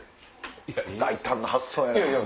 大胆な発想やな。